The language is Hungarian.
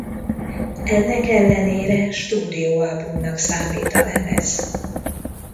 Ennek ellenére stúdióalbumnak számít a lemez.